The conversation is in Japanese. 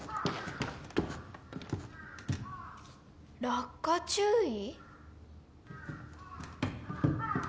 「落下注意」？